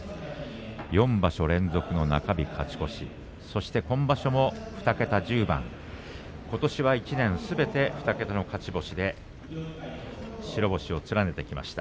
４場所連続の中日勝ち越しそして今場所も２桁１０番ことし１年すべて２桁の勝ち星で白星を連ねてきました。